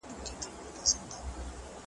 مورې!